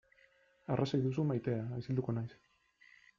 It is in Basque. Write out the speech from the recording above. Arrazoi duzu maitea, isilduko naiz.